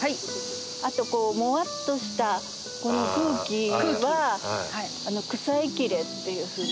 あとこうモワッとしたこの空気は草いきれっていうふうに。